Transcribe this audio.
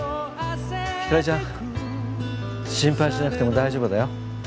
ひかりちゃん心配しなくても大丈夫だよ。